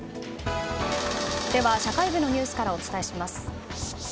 では社会部のニュースからお伝えします。